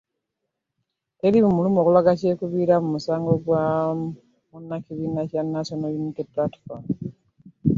Teri bumuluma okulaga kyekubiira mu musango gwa munnakibiina kya National Unity Platform